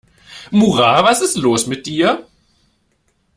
Murat, was ist los mit dir?